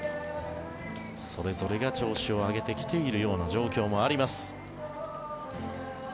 それぞれが調子を上げてきているような状況もあります。